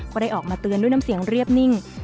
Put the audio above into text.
ก็ได้ออกมาเตือนด้วยน้ำเสียงเรียบนิ่ง